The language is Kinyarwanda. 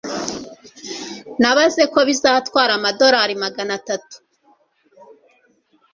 Nabaze ko bizatwara amadorari Magana atatu